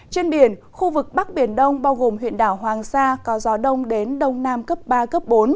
trên biển khu vực bắc biển đông bao gồm huyện đảo hoàng sa có gió đông đến đông nam cấp ba bốn